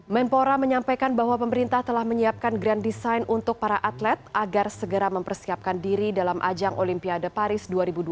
menpora menyampaikan bahwa pemerintah telah menyiapkan grand design untuk para atlet agar segera mempersiapkan diri dalam ajang olimpiade paris dua ribu dua puluh